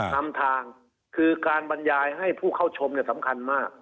นำทางคือการบรรยายให้ผู้เข้าชมสำคัญมาก